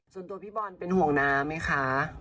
ส่วนตัวพี่บอลเป็นห่วงน้าไหมคะ